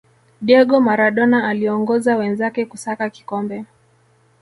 diego maradona aliongoza wenzake kusaka kikombe